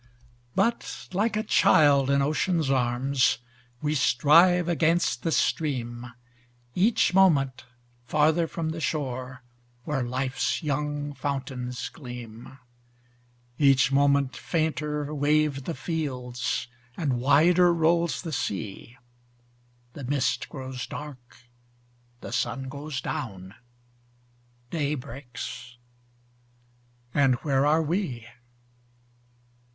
But, like a child in ocean's arms, We strive against the stream, Each moment farther from the shore Where life's young fountains gleam; Each moment fainter wave the fields, And wider rolls the sea; The mist grows dark, the sun goes down, Day breaks, and where are we?